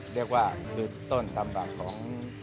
เรียกว่าคือต้นตำรับของ